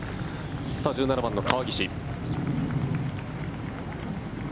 １７番の川岸。